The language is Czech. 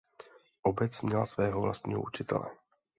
Obec měla svého vlastního učitele.